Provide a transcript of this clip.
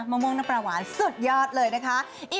มะม่วงน้ำปลาหวานสุดยอดเลยนะคะ